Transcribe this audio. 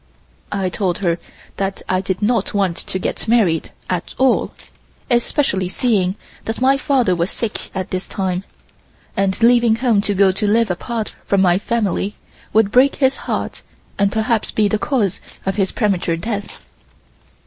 I told her that I did not want to get married at all, especially seeing that my father was sick at this time, and leaving home to go to live apart from my family would break his heart and perhaps be the cause of his premature death.